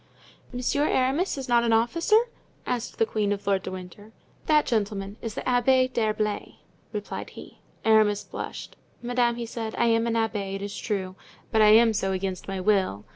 "Monsieur Aramis is not an officer?" asked the queen of Lord de Winter. "That gentleman is the Abbé d'Herblay," replied he. Aramis blushed. "Madame," he said, "I am an abbé, it is true, but I am so against my will.